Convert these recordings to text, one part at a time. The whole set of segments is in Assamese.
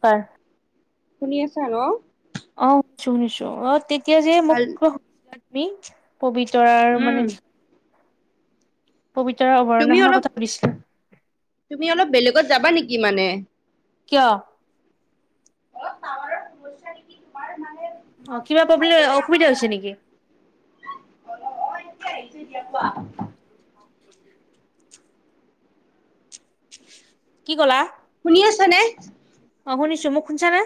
হয় শুনি আছো ন। অ শুনিছো শুনিছো অহ তেতিয়া যে মোক ভাল শুনিছিলা তুমি। পবিতৰাৰ মানে উম বিষয়ে। পবিতৰা তুমি অভয়াৰণ্যখনৰ অলপ কথা সুধিছিলা। তুমি অলপ বেলেগত যাবা নেকি মানে। কিয়? পাৱাৰৰ সমস্যা নেকি তোমাৰ মান। অ কিবা প্ৰব্লেম অসুবিধা হৈছে নেকি! অলপ অ এতিয়া আহিছে দিয়া কোৱা। কি ক'লা। শুনি আছা নে। অ শুনিছো মোক শুনছা নে।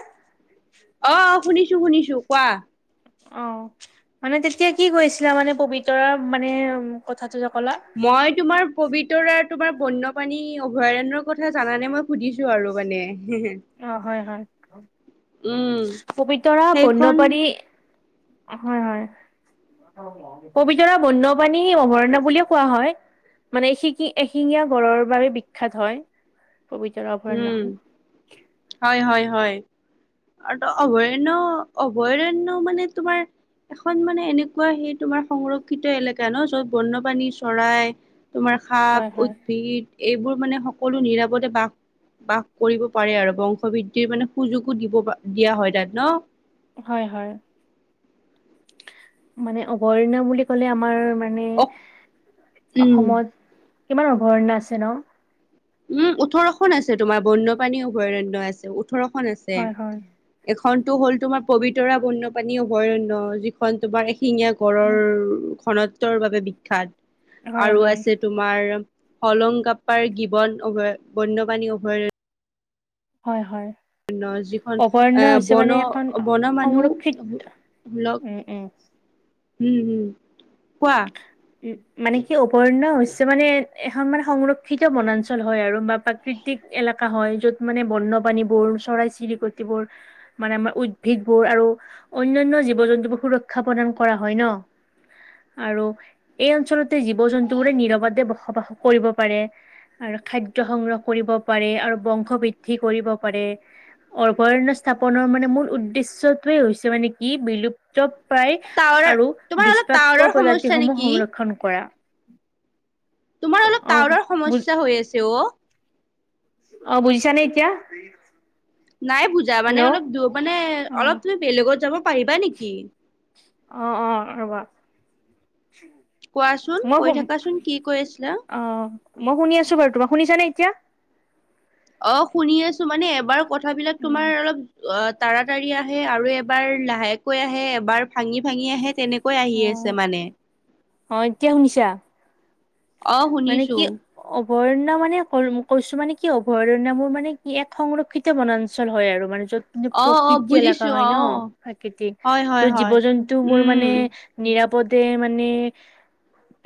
অ শুনিছো শুনিছো কোৱা। অ মানে তেতিয়া কি কৈছিলা মানে পবিতৰা মানে। কথাটো যে ক'লা মই তোমাৰ পবি। তৰা তোমাৰ বন্যপাণী অভয়াৰণ্যৰ কথা জানানে মই সুধিছো আৰু মানে। অ হয় হয় উম পবিতৰা সেইখন বন্যপ্ৰাণী। হয় হয়। পবিতৰা বন্যপাণী অভৰন্য বুলিয়ে কোৱা হয়। মানে শিকি এশিঙীয়া গড়ৰ বাবে বিখ্যাত হয় পবিতৰা উম অভৰান্যখন। হয় হয় হয় আৰু অভৰান্য অভৰান্য মানে তোমাৰ এখন মানে এনেকুৱা সেই তোমাৰ সংৰক্ষিত এলেকা ন যত বন্যপ্ৰানী চৰাই তোমাৰ সাপ, হয় হয় উদ্ভিদ, এইবোৰ মানে সকলো নিৰাপদে বাস বাস কৰিব পাৰে আৰু বংশ বৃদ্ধিৰ মানে সুযোগো দিয়া হয় তাত ন। হয় হয়। মানে অভৰান্য বুলি ক'লে আমাৰ। মানে অ উম অসমত কিমান অভৰন্য আছে ন? উম ওঠৰখন আছে তোমাৰ বন্যপ্ৰাণী অভৰণ্য আছে। ওঠৰখন আছে। হয় হয় এখন টো হ'ল তোমাৰ পবিতৰা বন্যপ্ৰাণী অভৰন্য যিখন তোমাৰ। এশিঙীয়া গঁড়ৰ খনত্বৰ বাবে বিখ্যাত। হয় আৰু হয়। আছে তোমাৰ। হলংগাপ্পাৰ গীৱন অভয় বন্যপাণী অভৰান্য। হয় হয় যিখন এ অভৰন্য হৈছে বন মানে এখন বন মানুহ সংৰক্ষিত। লগ উম উম! উম উম কোৱা। উ মানে কি অভৰন্য হৈছে মানে এখন মানে সংৰক্ষিত বনাঞ্চল হয় আৰু বা প্ৰাকৃতিক। এলেকা হয় য'ত মানে বন্যপাণী বোৰ চৰাই চিৰিকতি বোৰ মানে আমাৰ উদ্ভিদ বোৰ। আৰু অন্যান্য জীৱ জন্তুবোৰ সুৰক্ষা প্ৰদান কৰা হয় ন। আৰু এই অঞ্চলতে জীৱ জন্তু বোৰে নিৰপদে বসবাস কৰিব পাৰে আৰু খাদ্য সংগ্ৰহ কৰি। পাৰে আৰু বংশ বৃদ্ধি কৰিব পাৰে। অভয়ণ্য স্থাপনৰ মানে মূ উদ্দেশ্যটোয়ে হৈছে মানে কি বিলুপ। উপায় টাৱাৰৰ আৰু তোমাৰ অলপ দুষ্প্ৰাপ্য টাৱাৰৰ সমস্যা প্ৰজাতিসমূহ নেকি সংৰক্ষণ কৰা। উম! তোমাৰ অলপ টাৱাৰৰ সমশ্যা হৈ আছে অ। অ বুজিছা নাই এতিয়া? নাই বুজা মানে হেল্ল' অলপ মানে অলপ অ' তুমি বেলেগত যাব পাৰিবা নেকি? অ অ ৰবা কোৱাচোন কৈ মই থাকাচোন কি কৈ আছিলা অ মই শুনি আছো বাৰু তোমাক শুনিছানে এতিয়া? অ শুনি আছো মানে এবাৰ কথাবিলাক উম, তোমাৰ অলপ অ! তাৰাতাৰি আহে আৰু এবাৰ লাহেকৈ আহে এবাৰ ভাঙি ভাঙি আহে তেনেকুৱা কৈ আহি আছে অ' মানে। অ' এতিয়া শুনিছা? অ শুনিছো। অভৰন্য মানে কৈছো মানে কি অভৰণা মোৰ মানে কি এক সংৰক্ষিত বনাঞ্চল হয়। আৰু মানে য'ত কিন্তু অ অ প্ৰকৃতি এলেকা বুজিছো হয় অ ন প্ৰাকৃতিক হয় হয় ত'ত জীৱ হয় জন্তু মোৰ উম মানে নিৰাপ পদে মানে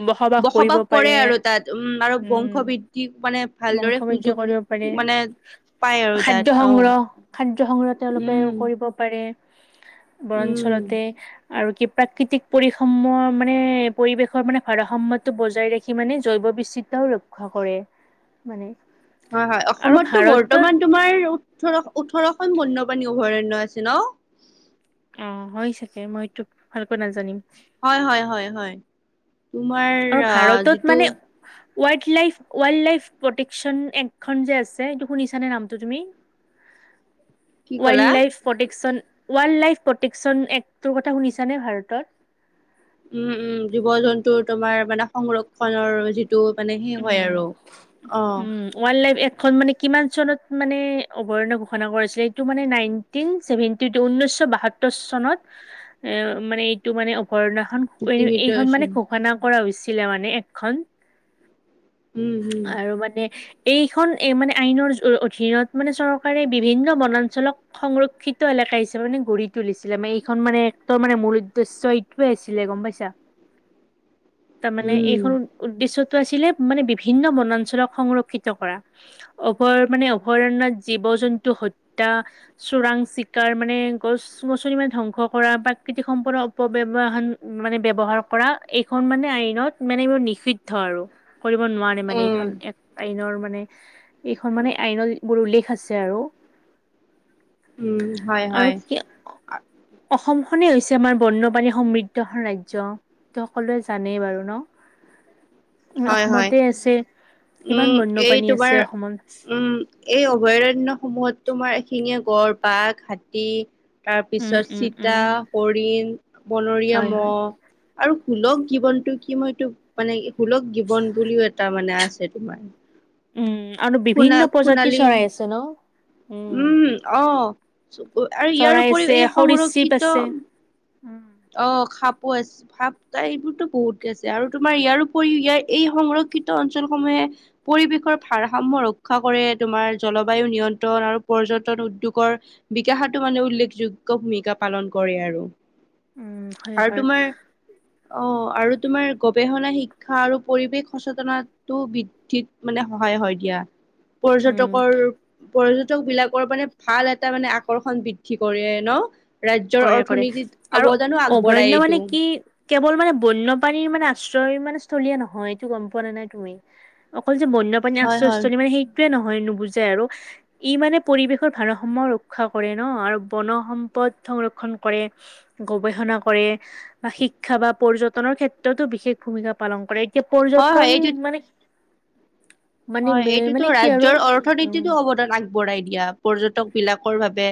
বসবাস কৰিব কৰে পাৰে। আৰু তাত উম আৰু উম বংশবৃদ্ধি মানে বংশ ভালদৰে বদ্ধ সুযোগ কৰিব পাৰে। মানে পায় আৰু তাত খাদ্য অ সংগ্ৰহ খাদ্য সংগ্ৰহ তেওঁলোকে উম কৰিব পাৰে। উম বনাঞ্চলতে। আৰু কি প্ৰাকৃতিক পৰীসমূহৰ মানে পৰিৱেশৰ মানে ভাৰসাম্যটো বজাই ৰাখি মানে জৈৱ বিচিত্ৰাও ৰক্ষা কৰে মানে। হয় হয় আৰু অসমতটো ভাৰতত বৰ্তমান তোমাৰ ওঠৰ ওঠৰ খন বন্যপাণী অভৰাণ্য আছে ন? অ হয় চাগে মই এইটো ভালকৈ নাজানিম। হয় হয় হয়। তোমাৰ আৰু ভাৰতত যিটো মানে ৱাইল্ড লাইফ প্ৰতিক্স্বন এখন যে আছে শুনিছে নে নামটো তুমি? কি ক'লা ৱাইল্ড লাইফ প্ৰতিক্স্বন ৱাইল্ড লাইফ প্ৰতিক্স্বন এক্টটো কথা শুনিছানে ভাৰতত? উম উম জীৱ জন্তুৰ তোমাৰ মানে সংৰক্ষনৰ যি তটো মানে সেই উম হয় আৰু অ। উম ৱাইল্ড লাইফ এক্ট মানে কিমান চনত মানে অৱৰ্ণ ঘোষণা কৰিছিল? এইটো মানে নাইনটিন চেভেনটি টু উনৈশ শ বাসত্তৰ চনত এ মানে এইটো মানে ঘৰ্ণাখন সেইটো এইখন মানে আছিল ঘোষণা কৰা হৈছিলে মানে একখন। উম হম আৰু মানে এইখন এ মানে আইনৰ অধীনত মানে চৰকাৰে বিভিন্ন বনাঞ্চলক সংৰক্ষিত এ হিচাপে মানে গঢ়ি তুলিছিলে মানে এইখন মানে এক্টৰ মানে মূল উদ্দেশ্য এইটোয়ে আছিলে। গম পাইছা? তাৰমানানে উম এইখন উদ্দেশ্যতটো আছিলে মানে ভিন্ন বনাঞ্চলক সংৰক্ষিত কৰা। অভয় মানে অভয়াৰণয়ত জীৱ জন্তু এটা চোৰাং চিকাৰ মানে গছ গছনি মানে ধ্বংস কৰা প্ৰাকৃতিক সম্পদৰ অপব্য মানে বৱহাৰ কৰা এইখন মানে আইনত মানে এইবোৰ নিষিদ্ধ আৰু কৰিব নোৱাৰ মানে উম এইখন এক আইনৰ মান মানে এইখন মানে আইনৰ বোৰ উল্লেখ আছে আৰু। উম হয় আৰু হয় কি অসম খনেই হৈছে আমাৰ বন্যপানী সমৃদ্ধ ৰাজ্য ত সকলোৱে জানেই বাৰু ন? হয় হয় অসমতে আছে কিমান উম এই বন্যপ্ৰাণী আছে তোমাৰ অসমত উম এই অভয়াৰন্য সমূহত তোমাৰ এশিঙীয়া গড়, বাঘ, হাতী, তাৰ উম পিছত উম উম চিতা, হৰিণ, বনৰীয়া হয় হয় মহ আৰু সুলভ গীৱনটো কি মই এইটো মানে সুলক গীৱন বুলিও এটা মানে আছে তোমাৰ। উম আৰু সোণা বিভিন্ন প্ৰজাতিৰ সোণালী চৰাই আছে ন? উম আহ আৰু ইয়াৰ চৰাই উপৰিও আছে এই সৰীসৃপ সংৰক্ষিত আছে উম অ সাপো আছে সাপ তাই এইবোৰতো বহুত গে আছে আৰু তোমাৰ ইয়াৰ উপৰি ইয়াৰ এই সংগ্ৰহ ক্ষিত অঞ্চলসমূহে পৰিৱেশৰ ভাৰসাম্য ৰক্ষা কৰে তোমাৰ জলবায়ু নিয়ন্ত্ৰণ আৰু পৰ্যটন উদ্যোগৰ বিকাশতো মানে উল্লেখযোগ্য ভূমিকা পালন কৰে আৰু। উম হয় আৰু হয় তোমাৰ অ আৰু তোমাৰ গৱেষণা শিক্ষা আৰু পৰিৱেশ সচেতনাটো বৃদ্ধিত মানে সহায় হয় দিয়া। উম পৰ্যটকৰ পৰ্যটক বিলাকৰ মানে ভাল এটা মানে আকৰ্ষণ বৃদ্ধি কৰে ন? ৰাজ্যৰ কৰে কৰে অৰ্থনীতিত আৰু অৱদানো আগবঢ়ায় অভয়াৰণ্য এইটো মানে কি কেৱল মানে বন্যপাণীৰ মানে আশ্ৰয় মানে স্থলীয়া নহয়। এইটো গম পোৱা না নাই তুমি? অকল যে বন্যপ্ৰাণী হয় হয় আশয়স্থলী মানে সেই টোৱে নহয় নুবুজে আৰু ই মানে পৰিৱেশৰ ভাৰসমাম্য ৰক্ষা কৰে ন আৰু বন সম্পদ সংৰক্ষণ কৰে, গৱেষণা কৰে বা শিক্ষা বা পৰ্যটনৰ ক্ষেত্ৰতো বিশেষ ভূমিকা পালন কৰে, এতিয়া হয় হয় পৰ্যটন এইটো মানে মানে হয় এইটোতো মানে কি আৰু ৰাজ্যৰ উম অৰ্থনীতিতো অৱদান আগ বঢ়াই দিয়া, পৰ্যটক বিলাকৰ বাবে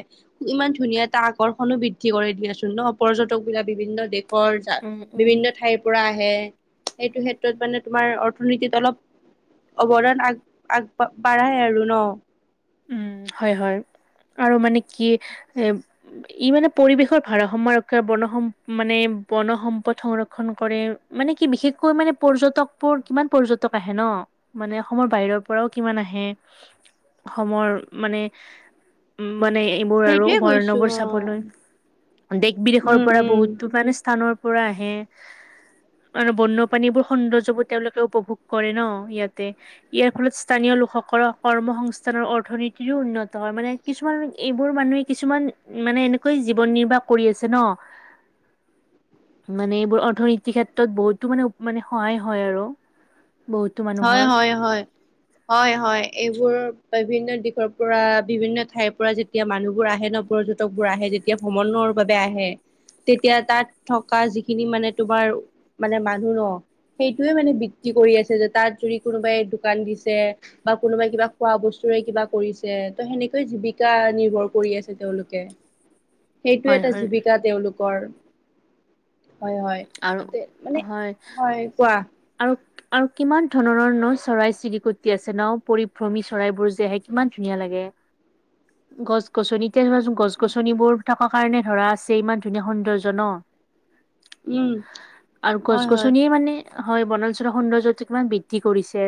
ইমান ধুনীয়া এটা আকৰ্ষণো বৃদ্ধি কৰে দিয়াচোন ন। পৰ্যটক বিলাক বিভিন্ন দেশৰ উম উম বিভিন্ন ঠাইৰ পৰা আহে। হে সেইটো ক্ষেত্ৰত মানে তোমাৰ অৰ্থনীতিত অলপ অৱদান আগ আগ বাঢ়াই আৰু ন? উম, হয়, হয়। আৰু মানে কি এ ই মানে পৰিৱেশৰ ভাৰসাম্য ৰক্ষা বৰ্ণসম মানে বন সম্পদ সংৰক্ষণ কৰে, মানে কি বিশেষকৈ মানে পৰ্যটকবোৰ কিমান পৰ্যটক আহে ন? মানে অসমৰ বাহিৰৰ পৰাও কিমান আহে। অসমৰ মানে উ মানে এইবোৰ আৰু সেইটোয়ে কৈছো অভয়াৰণ্যবোৰ অ চাবলৈ। দেশ-বিদেশৰ উম পৰা উম বহুতো মানে স্থানৰ পৰা আহে। আৰু বন্যপ্ৰাণীবোৰ সৌন্দৰ্যবোৰ তেওঁলোকে উপভোগ কৰে ন ইয়াতে। ইয়াৰ ফলত স্থানীয় লোকসকলৰ কৰ্মসং স্থানৰ অৰ্থনীতিৰো উন্নত হয়। মানে কিছুমান এইবোৰ মানুহে কিছুমান মানে এনেকৈ জীৱন নিৰ্বাহ কৰি আছে ন। মানে এইবোৰ অৰ্থনীতিৰ ক্ষেত্ৰত বহুতো মানে মানে সহায় হয় আৰু। বহুতো হয় মানুহৰ হয় হয় হয় হয়। এইবোৰ বিভিন্ন দিশৰ পৰা বিভিন্ন ঠাইৰ পৰা যেতিয়া মানুহবোৰ আহে ন পৰ্যটক বোৰ আহে যেতিয়া ভ্ৰমণ। বাবে আহে। তেতিয়া তাত থকা যিখিনি মানে তোমাৰ মানে মানুহ ন। সেইটোৱে মানে বিক্ৰী কৰি আছে যাত তাত যদি কোনোবাই দোকান দিছে বা কোনোবাই কিবা খোৱা বস্তুৰে কিবা কৰিছে ত সেনেকৈ জীৱিকা নিৰ্ভৰ কৰি আছে তেওঁলোকে। সেইটো হয় এটা হয় জীৱিকা তেওঁলোকৰ। হয় হয় আৰু তে মানে হয় আৰু আৰু কিমান ধৰণৰ ন চৰাই-চিৰিকটি আছে ন? পৰিভ্ৰমী চৰাই বোৰ যে আহে কিমান ধুনীয়া লাগে। গছ-গছনি এতিয়া ধৰাচোন গছ-গছনিবোৰ থকা কাৰণে ধৰা আছে ইমান ধুনীয়া সৌন্দৰ্য ন। উম আৰু হয় হয় গছ-গছনিয়ে মানে হয়, বনাঞ্চলৰ সৌন্দৰ্যটো কিমান বৃদ্ধি কৰিছে।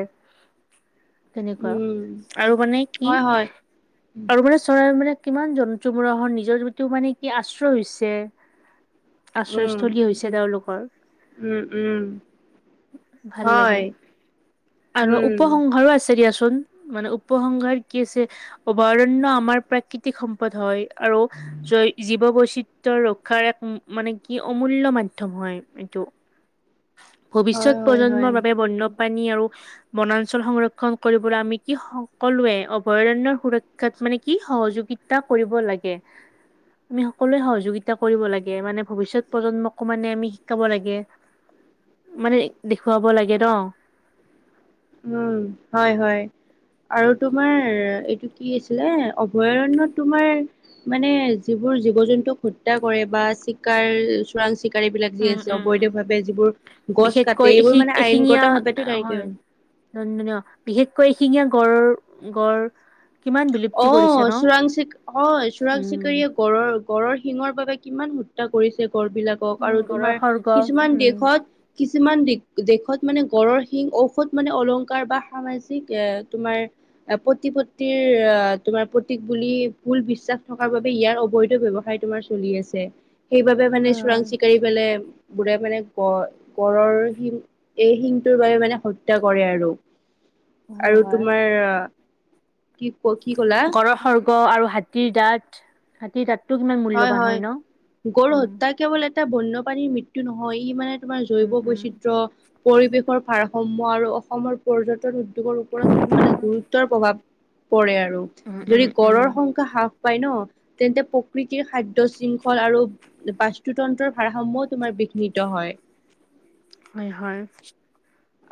তেনেকুৱা উম আৰু মানে কি হয় হয় আৰু মানে চৰাই মানে কিমান জন্তুবিলাকৰ নিজৰ যও মানে কি আশ্ৰয় হৈছে। আশ্ৰয় থলী উম হৈছে তেওঁলোকৰ। উম উম ভাল হয় লাগে আৰু উম উপসংহাৰো আছে দিয়াচোন। মানে উপসংহাৰ কি আছে অভয়াৰণ্য আমাৰ প্ৰাকৃতিক সম্পদ হয়। আৰু জৈ জীৱ বৈচিত্ৰৰ ৰক্ষাৰ এক মানে কি অমূল্য মাধ্যম হয় এইটো। হয় ভৱিষ্যত হয় হয় প্ৰজন্মৰ বাবে বন্য পানী আৰু বনাঞ্চল সংৰক্ষণ কৰিবলৈ আমি কি সকলোৱে অভয়াৰণ্য সুৰক্ষাত। মানে কি সহযোগিতা কৰিব লাগে। আমি সকলোৱে সহযোগিতা কৰিব লাগে মানে ভৱিষ্যত, - প্ৰজন্মক মানে আমি শিকাব লাগে। মানে দেখুৱাব লাগে ন উম হয় হয়। আৰু তোমাৰ এইটো কি আছিলে অভয়াৰণ্য তোমাৰ মানে যিবোৰ জীৱ জন্তুক হত্যা কৰে বা চিকাৰ চোৰাং- চিকাৰী বিলাক যি উম আছে উম অবৈধ উম ভাৱে যিবোৰ গছ বিশেষকৈ কাটতে এশি এইবোৰ মানে আইনগত ভাৱো তেনেকে- নন বিশেষকৈ এশিঙীয়া গড়ৰ, গড় কিমান বিলুপ্তি অ কৰিছে ন চোৰাং চ অ চোৰাং উম চিকাৰীয়ে গড়ৰ, গড়ৰ শিঙৰ বাবে- কিমান হত্যা কৰিছে গড় বিলাকক উম আৰু গড়ৰ তোমাৰ সৰ্গ কিছুমান উম দেশত- যিমান দি দেশত মানে গড়ৰ সিং ঔষধ মানে অলংকাৰ বা সামাজিক এ তোমাৰ- প্ৰতি- তোমাৰ প্ৰতীক বুলি ভুল বিশ্বাস থকাৰ বাবে ইয়াৰ অবৈধ ব্যৱসায় তোমাৰ চলি আছে। সেইবাবে মানে হয় চোৰাং হয় চিকাৰি পেললে- বোৰে মানে গড গড়ৰ শিং এই শিংটোৰ বাবে মানে হত্যা কৰে আৰু- হয় আৰু হয় তোমাৰ। কি ক কি ক'লা- গঁড়ৰ সৰ্গ আৰু হাতীৰ, দাঁত হাতীৰ দাঁত, হয় হয় গৰু সত্যা কেৱল এ এটা বন্যপাণীৰ মৃত্যু নহয় ই মানে তোমাৰ জৈৱ উম, উম। বৈচিত্ৰয়- পৰিৱেশৰ ভাৰসাম্য আৰু অসমৰ পৰ্যটন উদ্যোগৰ ওপৰত মানে গুৰুত্বৰ প্ৰভাৱ- কৰে আৰু উম, উম, যদি উম, গড়ৰ সংবাদ হ্ৰাস পায় ন তেন্তে প্ৰকৃতিৰ খাদ্য শৃংখল আৰু বাস্তুতন্ত্ৰৰ ভাৰাসমূহ তোমাৰ বিঘ্নিত হয়। হয় হয়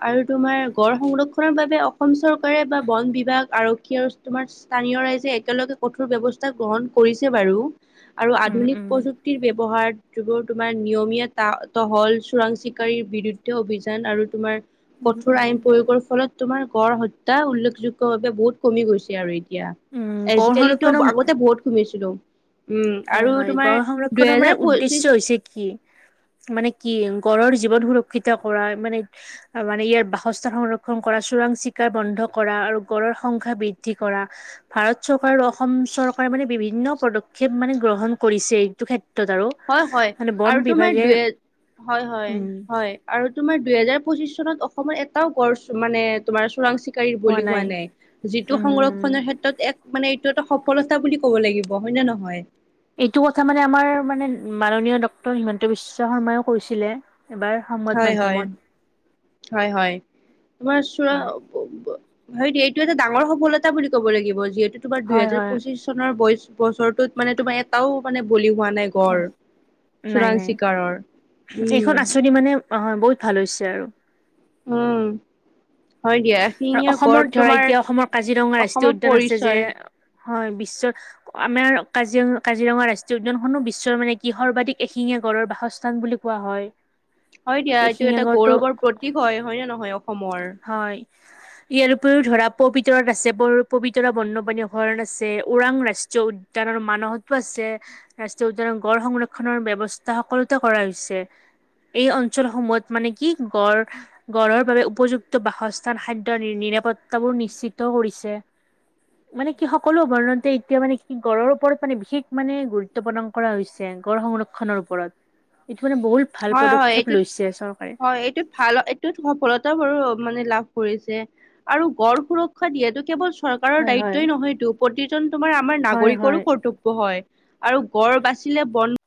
আৰু তোমাৰ গড় সংৰক্ষনৰৰ বাবে অসম চৰকাৰে বা বন বিভাগ আৰক্ষী আৰু তোমাৰ- স্থানীয় ৰাইজে একেলগে কঠোৰ ব্যৱস্থা গ্ৰহণ কৰিছে। বাৰু আৰু উম, আধুনিক উম। প্ৰযুক্তিৰ ব্যৱহাৰ- যিবোৰ তোমাৰ নিয়মীয়া ত তহল চোৰাং চিকাৰীৰ বিৰুদ্ধে অভিযান আৰু তোমাৰ- উম, কঠোৰ উম। আইন প্ৰয়োগৰ ফলত তোমাৰ গড় হত্যা উল্লেখযোগ্য ভাৱে বহুত কমি গৈছে আৰু এ এতিয়া উম, গঁড় আজিকালিতো সংৰক্ষণৰ আগতে বহুত শুনিছিলো। হয় হয় গড় সংৰক্ষণৰ মানে উদ্দেশ্য পঁচিশ হৈছে কি মানে কি গড়ৰ জীৱন সুৰক্ষিত কৰা মানে মানে ইয়াৰ বাসস্থা সংৰক্ষণ কৰা চোৰাং চিকাৰ বন্ধ কৰা। আৰু গড়ৰ সংখ্যা বৃদ্ধি কৰা ভাৰত চৰকাৰ আৰু অসম চৰকাৰ মানে বিভিন্ন পদপ- মানে গ্ৰহণ কৰিছে এইটো ক্ষেত্ৰত- আৰু হয় হয় মানে বন আৰু তোমাৰ বিভাগে দুই এ হয় উম, হয় আৰু তোমাৰ দুহেজাৰ- পঁচি চনত অসমত এটাও গড় মানে তোমাৰ চোৰাং চিকাৰী বলি হোৱা নাই যিটো উম, সংৰক্ষণৰ ক্ষেত্ৰত এক মানে এইটো এটা সফলতা বুলি ক'ব লাগিব হয় নে নহয়। এইটো কথা মানে আমাৰ মানে মাননীয় ডক্টৰ হিমন্ত বিশ্ব শৰ্মাইও কৈছিলে। এবাৰ সংবাদ হয় হয় মাধ্যমত- হয় হয় তোমাৰ হয়, চৰা- হয় দিয়া এইটো এটা ডাঙৰ সফলতা বুলি ক'ব লাগিব যিহেতু তোমাৰ হয়, দুইহেজাৰ হয় পঁচিশ চনৰ বয় বছৰটোত মানে তোমাৰ এটাও মানে বলি হোৱা নাই গড়- নাই চোৰাং নাই চিকাৰৰ উম এইখন আচনি মানে অ বহুত ভাল হৈছে। আৰু উম হয় দিয়া আৰু এশিঙীয়া গড় অসমৰ ধৰা তোমাৰ এতিয়া অসমৰ কাজিৰঙা অসমৰ ৰাষ্ট্ৰীয় উদ্যান আছে। যে পৰিচয় হয় বিশ্ব আমাৰ কাজিৰ কাজিৰঙা, ৰাষ্ট্ৰীয় উদ্যানখননো বিশ্বৰ মানে কি সৰ্বাধিক এশিঙীয়া, গড়ৰ বাসস্থান বুলি কোৱা হয়। হয় দিয়া এইটো এশিঙীয়া এটা গঁড়টো গৌৰৱৰ প্ৰতীক হয় হয় ন নহয় অসমৰ। [inaudible] ইয়াৰ উপৰিও ধৰা পবিতৰত আছে পবিতৰা বনপাণী ঘণ আছে ওৰাং ৰাষ্ট্ৰীয় উদ্যান। মানহতো আছে ৰাষ্ট্ৰীয় উদ্যানৰ গড় সংৰক্ষনৰৰ ব্যৱস্থা সকলোতো কৰা হৈছে। এই অঞ্চলসমূহত মানে কি গড় গঁড়ৰ বাবে উপযুক্ত বাসস্থ খাদ্য নিৰাপত্তাবোৰ নিশ্চিত কৰিছে। মানে কি সকলো উদৰণতে এতিয়া মানে কি গড়ৰ ওপৰত মানে বিশেষ মানে গুৰুত্ব প্ৰদান কৰা হৈছে। গড় সংৰক্ষণৰ ওপৰত মানে বহুত ভাল হয় হয় পদক্ষেপ এইটোত লৈছে চৰকাৰে হয় এইটোত ভাল এইটো সফলতা মানে লাভ কৰিছে আৰু গড় সুৰক্ষা দিয়াটো কেৱল চৰকাৰৰ হয় হয় দায়িত্বই নহয়তো, প্ৰতিজন তোমাৰ আমাৰ হয় নাগৰিকৰো হয় কৰ্তব্য হয়। আৰু গড় বাচিলে বন